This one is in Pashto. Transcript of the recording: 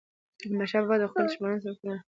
احمدشاه بابا به د خپلو دښمنانو پر وړاندي زړور و.